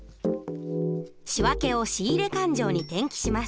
仕訳を仕入勘定に転記します。